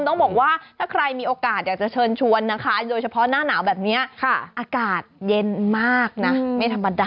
ต้องบอกว่าถ้าใครมีโอกาสอยากจะเชิญชวนนะคะโดยเฉพาะหน้าหนาวแบบนี้อากาศเย็นมากนะไม่ธรรมดา